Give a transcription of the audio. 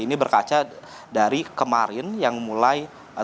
ini berkaca dari kemarin yang mulai